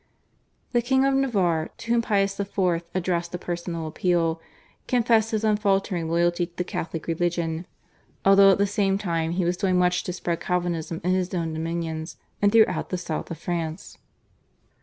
The King of Navarre, to whom Pius IV. addressed a personal appeal, confessed his unfaltering loyalty to the Catholic religion, although at the same time he was doing much to spread Calvinism in his own dominions and throughout the South of France.